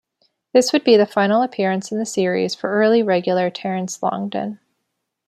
This would be the final appearance in the series for early regular Terence Longdon.